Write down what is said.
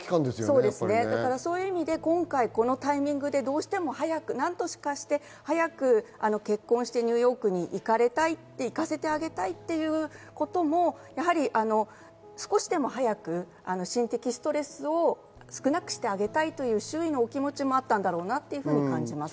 そういう意味でこのタイミングでどうしても早く何とかして結婚してニューヨークに行かせてあげたいっていうことも少しでも早く心的ストレスを少なくしてあげたいという周囲の気持ちもあったんだろうなと感じます。